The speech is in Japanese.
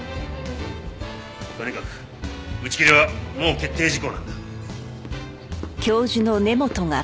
とにかく打ち切りはもう決定事項なんだ。